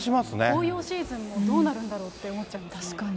紅葉シーズンもどうなるんだろうって思っちゃいますよね。